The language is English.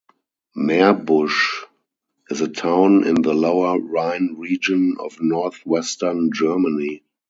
Meerbusch is a town in the Lower Rhine region of northwestern Germany.